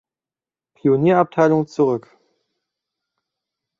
Pionierabteilung zurück.